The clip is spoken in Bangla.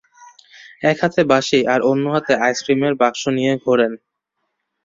এক হাতে বাঁশি আর অন্য হাতে আইসক্রিমের বাক্স নিয়ে ঘোরেন।